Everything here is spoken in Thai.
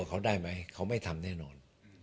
เขาได้ไหมเขาไม่ทำแน่นอน